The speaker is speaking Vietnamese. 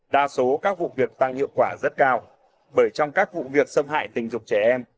đa số các vụ việc tăng hiệu quả rất cao bởi trong các vụ việc xâm hại tình dục trẻ em